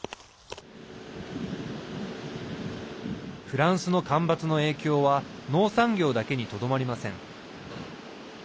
フランスの干ばつの影響は農産業だけにとどまりません。